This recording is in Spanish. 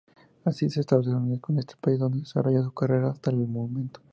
Así, se establece en este país donde desarrolla su carrera hasta el momento.